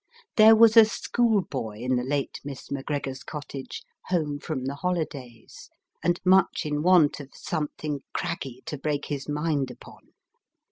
There was a schoolboy in the Late Miss McGregor s Cottage, home from the holidays, and much in want of something craggy to break his mind upon.